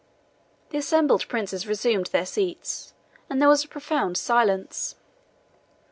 The assembled princes resumed their seats, and there was a profound silence.